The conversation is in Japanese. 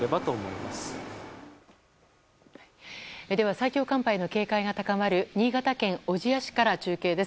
最強寒波への警戒が高まる新潟県小千谷市から中継です。